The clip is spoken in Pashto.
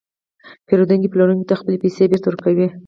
پېرودونکی پلورونکي ته خپلې پیسې بېرته ورکوي